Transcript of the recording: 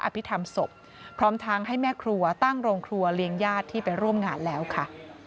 เป็นร่วมงานแล้วค่ะ